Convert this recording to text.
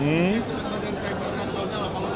hari ini dengan badan cyber nasional